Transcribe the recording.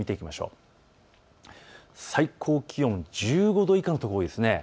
最高気温１５度以下の所が多いですね。